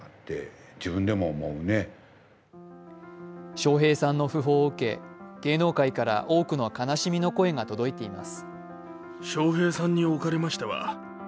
笑瓶さんの訃報を受け、芸能界から多くの悲しみの声が届いています。